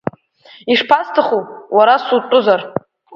Ишԥасҭаху уара сутәызар.